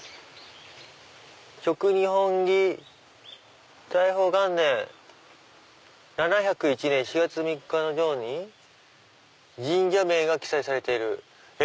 「続日本紀大宝元年４月３日の条に神社名が記載されている」。